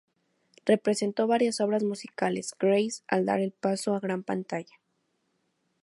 Representó varias obras musicales Grease al dar el paso a gran pantalla.